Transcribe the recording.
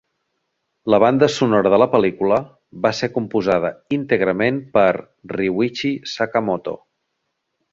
La banda sonora de la pel·lícula va ser composada íntegrament per Ryuichi Sakamoto.